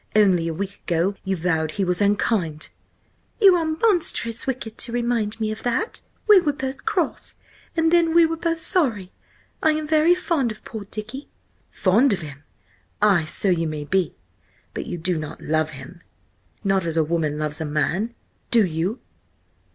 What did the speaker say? Only a week ago you vowed he was unkind—" "You are monstrous wicked to remind me of that! We were both cross–and then we were both sorry. I am very fond of poor Dicky." "Fond of him! Ay, so you may be, but you do not love him! Not as a woman loves a man–do you?"